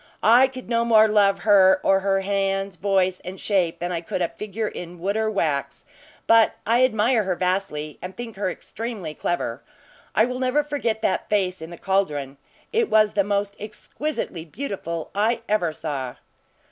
I could no more love her or her hands, voice, and shape, than I could a figure in wood or wax; but I admire her vastly, and think her extremely clever. I will never forget that face in the caldron. It was the most exquisitely beautiful I ever saw."